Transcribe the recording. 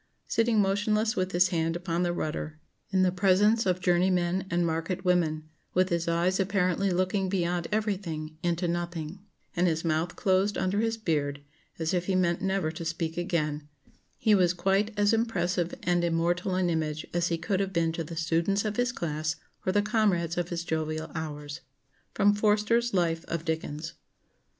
Sitting motionless with his hand upon the rudder, in the presence of journey men and market women, with his eyes apparently looking beyond everything into nothing, and his mouth closed under his beard, as if he meant never to speak again, he was quite as impressive and immortal an image as he could have been to the students of his class or the comrades of his jovial hours." [Sidenote: Forster's Life of Dickens.